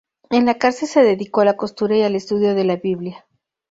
En la cárcel se dedicó a la costura y al estudio de la Biblia.